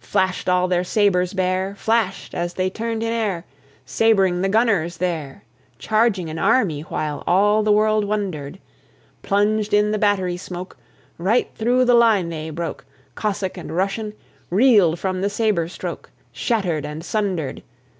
Flash'd all their sabers bare, Flash'd as they turn'd in air Sab'ring the gunners there, Charging an army, while All the world wonder'd: Plunged in the battery smoke Right thro' the line they broke; Cossack and Russian Reel'd from the saber stroke Shatter'd and sunder'd.